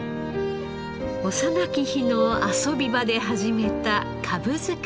幼き日の遊び場で始めたかぶ作り。